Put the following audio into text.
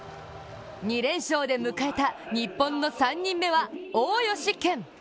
２連勝で迎えた日本の３人目は大吉賢。